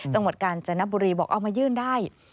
จังหวัดกาญจนบุรีบอกเอามายื่นได้